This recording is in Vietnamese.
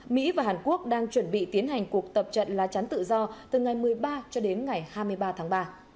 mỹ và hàn quốc đang chuẩn bị tiến hành cuộc tập trận lá chắn tự do từ ngày một mươi ba cho đến ngày hai mươi ba tháng ba